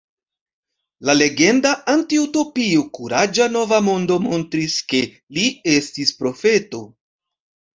La legenda antiutopio Kuraĝa Nova Mondo montris, ke li estis profeto.